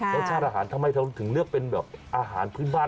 รสชาติอาหารทำไมเราถึงเลือกเป็นแบบอาหารพื้นบ้าน